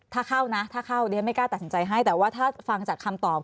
ถ้าเข้าไม่กล้าตัดสินใจให้แต่ว่าถ้าฟังจากคำตอบ